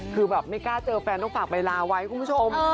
คือแบบไม่กล้าเจอแฟนต้องฝากใบลาไว้คุณผู้ชม